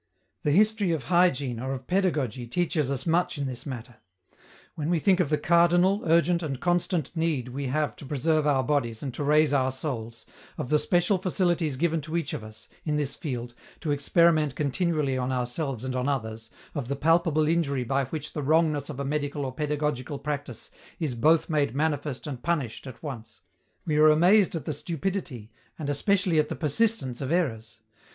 The history of hygiene or of pedagogy teaches us much in this matter. When we think of the cardinal, urgent and constant need we have to preserve our bodies and to raise our souls, of the special facilities given to each of us, in this field, to experiment continually on ourselves and on others, of the palpable injury by which the wrongness of a medical or pedagogical practise is both made manifest and punished at once, we are amazed at the stupidity and especially at the persistence of errors.